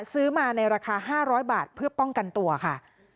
ซื้อมาในราคา๕๐๐บาทเพื่อป้องกันตัวค่ะ